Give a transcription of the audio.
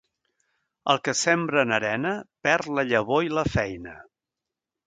El que sembra en arena, perd la llavor i la feina.